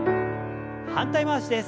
反対回しです。